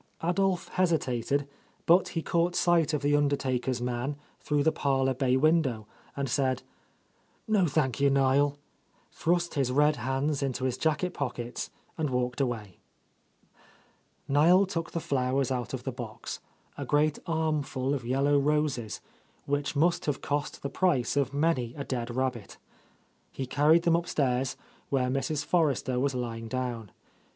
''^ Adolph hesitated, but he caught sight of the undertaker's man, through the parlour bay win dow, and said, "No, thank you, Niel," thrust his red hands into his jacket pockets, and walked away. Niel took the flowers out of the box, a great armful of yellow roses, which must have cost the price of many a dead rabbit. He carried them upstairs, where Mrs. Forrester was lying down.